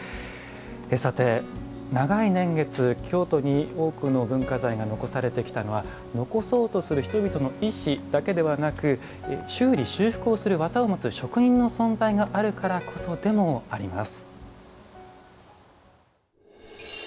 さて、長い年月、京都に多くの文化財が残されてきたのは残そうとする人々の意思だけではなく修理・修復をする技を持つ職人の存在があるからこそでもあります。